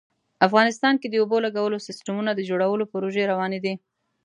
افغانستان کې د اوبو لګولو سیسټمونو د جوړولو پروژې روانې دي